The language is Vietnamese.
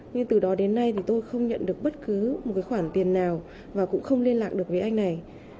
nhưng từ đó đến nay thì tôi không nhận được bất cứ một khoản tiền nào và cũng không liên lạc được với anh này